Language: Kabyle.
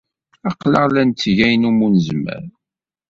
Aql-aɣ la netteg ayen umi nezmer.